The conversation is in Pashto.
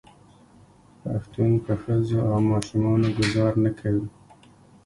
پښتون په ښځو او ماشومانو ګذار نه کوي.